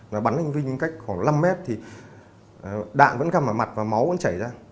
là bắn anh vinh cách khoảng năm mét thì đạn vẫn găm vào mặt và máu vẫn chảy ra